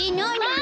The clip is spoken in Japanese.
あ！